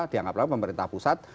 dianggap anggap pemerintah pusat